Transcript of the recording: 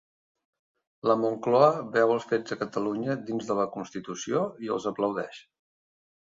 La Moncloa veu els fets a Catalunya dins de la constitució i els aplaudeix